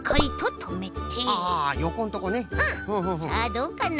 さあどうかな？